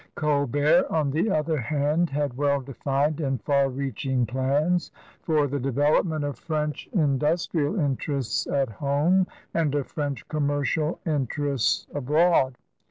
Colbert, on the other hand, had well defined and far reaching plans for the development of French industrial THE AGE OF LOUIS QUATORZE 61 interests at home and of French commercial interests abroad.